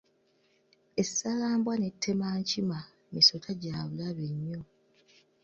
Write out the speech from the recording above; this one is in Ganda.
Essalambwa n'ettemankima misota gya bulabe nnyo.